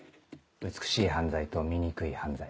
美しい犯罪と醜い犯罪。